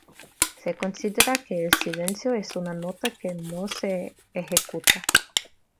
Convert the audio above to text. Se considera que el silencio es una nota que no se ejecuta.